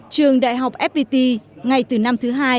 trường đại học fpt ngay từ năm thứ hai